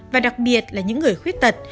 và đặc biệt là những người khuyết tật